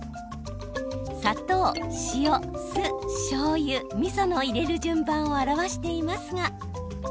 砂糖、塩、酢、しょうゆ、みその入れる順番を表していますが。